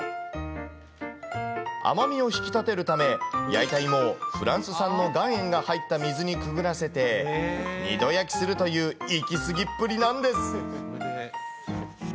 甘みを引き立てるため、焼いた芋をフランス産の岩塩が入った水にくぐらせて、２度焼きするといういきすぎっぷりなんです。